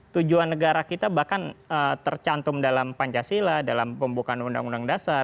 tujuan negara kita bahkan tercantum dalam pancasila dalam pembukaan undang undang dasar